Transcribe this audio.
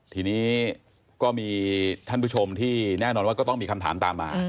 ทีนี้ก็มีท่านผู้ชมที่แน่นอนว่าก็ต้องมีคำถามตามมา